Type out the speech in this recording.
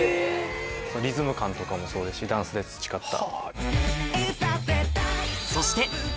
リズム感とかもそうですしダンスで培った。